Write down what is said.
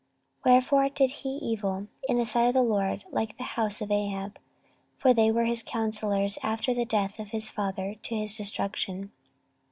14:022:004 Wherefore he did evil in the sight of the LORD like the house of Ahab: for they were his counsellors after the death of his father to his destruction.